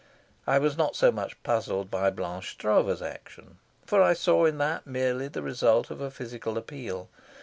I was not so much puzzled by Blanche Stroeve's action, for I saw in that merely the result of a physical appeal.